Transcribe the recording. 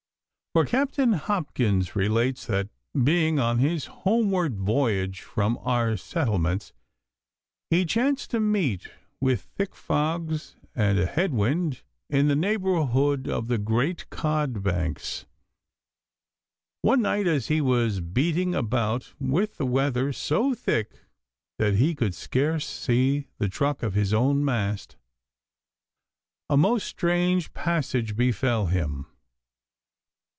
For Captain Hopkins relates that, being on his homeward voyage from our settlements, he chanced to meet with thick fogs and a head wind in the neighbourhood of the great cod banks. One night as he was beating about, with the weather so thick that he could scarce see the truck of his own mast, a most strange passage befell him.